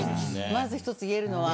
まず一つ言えるのは。